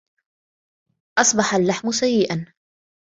أصبح اللحم سيئا.